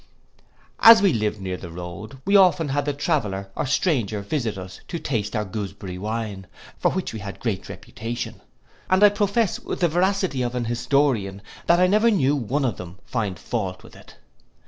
As we lived near the road, we often had the traveller or stranger visit us to taste our gooseberry wine, for which we had great reputation; and I profess with the veracity of an historian, that I never knew one of them find fault with it.